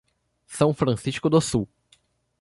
São Francisco do Sul